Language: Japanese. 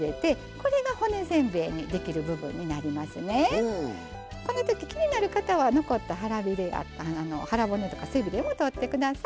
このとき気になる方は残った腹骨とか背びれも取ってください。